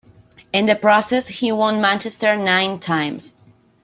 In the process, he won Manchester nine times.